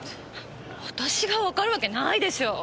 私がわかるわけないでしょう。